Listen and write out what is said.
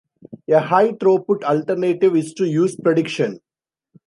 A high throughput alternative is to use prediction.